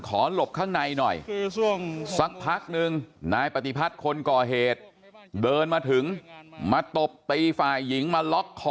ขอหลบข้างในหน่อยสักพักหนึ่งไหนปฏิพัทธ์คนก่อเหตุเบิ้ลมาถึงมาตบฝ่ายหญิงมาล๊อคคอ